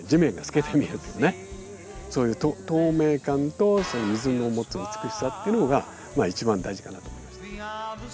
そういう透明感とその水の持つ美しさっていうのがまあ一番大事かなと思います。